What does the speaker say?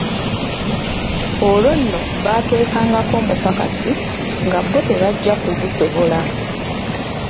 Olwo nno baateekangako omupakasi nga bo tebajja kuzisobola.